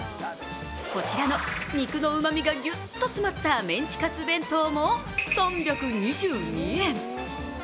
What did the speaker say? こちらの肉のうまみがぎゅっと詰まったメンチカツ弁当も３２２円。